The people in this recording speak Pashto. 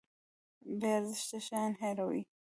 بې ارزښته شیان هیروي.